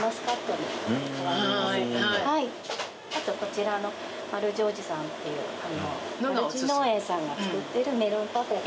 あとこちらの丸次おじさんっていう丸次農園さんが作ってるメロンパフェが。